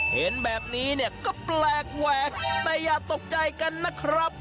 เห็นแบบนี้เนี่ยก็แปลกแหวกแต่อย่าตกใจกันนะครับ